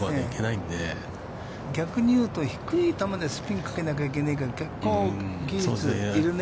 逆に言うと低い球でスピンかけないといけないから、結構技術がいるね。